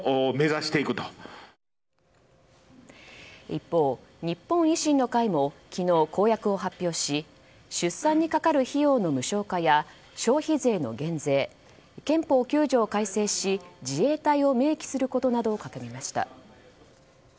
一方、日本維新の会も昨日、公約を発表し出産にかかる費用の無償化や消費税の減税憲法９条を改正し自衛隊を明記することなどを掲げました。